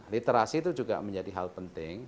literasi itu juga menjadi hal penting